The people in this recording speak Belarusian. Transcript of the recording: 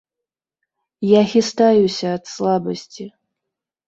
Я хістаюся ад слабасці.